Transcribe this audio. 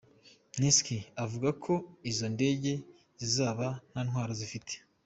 Nesirky avuga ko izo ndege zizaba nta ntwaro zifite.